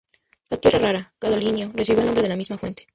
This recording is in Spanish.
La tierra rara gadolinio recibió el nombre de la misma fuente.